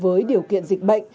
với điều kiện dịch bệnh